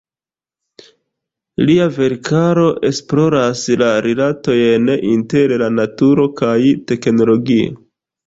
Lia verkaro esploras la rilatojn inter la naturo kaj teknologio.